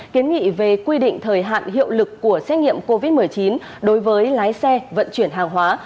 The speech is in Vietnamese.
kiến nghị về quy định thời hạn hiệu lực của xét nghiệm covid một mươi chín đối với lái xe vận chuyển hàng hóa